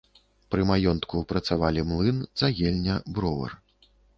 Пры маёнтку працавалі млын, цагельня, бровар.